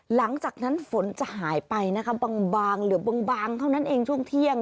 หลังจากนั้นฝนจะหายไปนะคะบางเหลือบางเท่านั้นเองช่วงเที่ยง